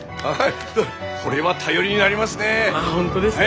これは頼りになりますね。